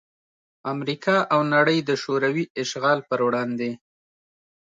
امریکا او نړۍ دشوروي اشغال پر وړاندې